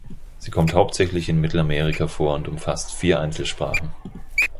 Sie kommt hauptsächlich in Mittelamerika vor und umfasst vier Einzelsprachen.